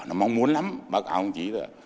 nó mong muốn lắm báo cáo của đồng chí là